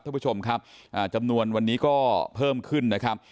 ท่านผู้ชมครับจำนวนวันนี้ก็เพิ่มขึ้นนะครับ